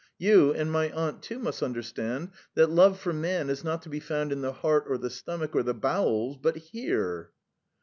You, and my aunt too, must understand that love for man is not to be found in the heart or the stomach or the bowels, but here!"